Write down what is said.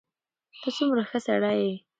ته څومره ښه سړی یې.